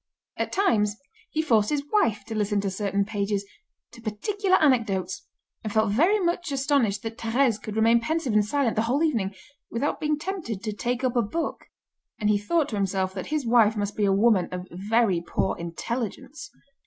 At times, he forced his wife to listen to certain pages, to particular anecdotes, and felt very much astonished that Thérèse could remain pensive and silent the whole evening, without being tempted to take up a book. And he thought to himself that his wife must be a woman of very poor intelligence.